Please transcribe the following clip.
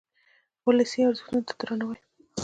ولسي ارزښتونو ته درناوی.